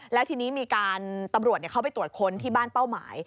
แล้วทีนี้มีการตำรวจเข้าไปตรวจค้นที่บ้านเป้าหมาย